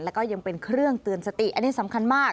แล้วก็ยังเป็นเครื่องเตือนสติอันนี้สำคัญมาก